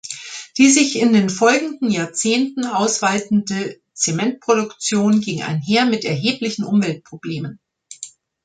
Die sich in den folgenden Jahrzehnten ausweitende Zementproduktion ging einher mit erheblichen Umweltproblemen.